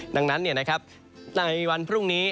ดังนั้นในวันพรุ่งนี้